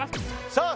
さあ